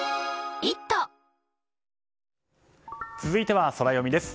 続いてはソラよみです。